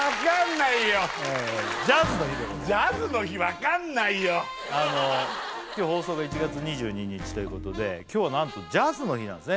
これ今日放送が１月２２日ということで今日はなんとジャズの日なんですね